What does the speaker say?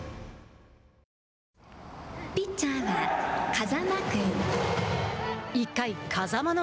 ピッチャーは風間君。